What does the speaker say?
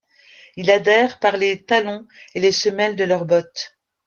Ils adhèrent par les talons et les semelles de leurs bottes...